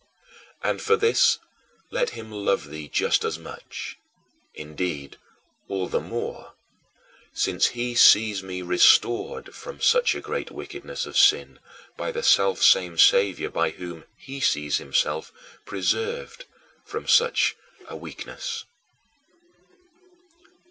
And for this let him love thee just as much indeed, all the more since he sees me restored from such a great weakness of sin by the selfsame Saviour by whom he sees himself preserved from such a weakness.